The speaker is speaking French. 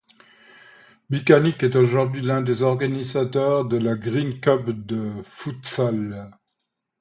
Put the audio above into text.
Bičanić est aujourd'hui l'un des organisateurs de la Green Cup de futsal.